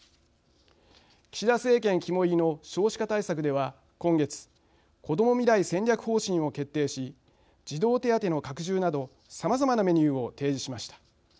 岸田政権肝いりの少子化対策では今月こども未来戦略方針を決定し児童手当の拡充などさまざまなメニューを提示しました。